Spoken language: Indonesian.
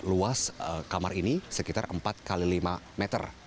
luas kamar ini sekitar empat x lima meter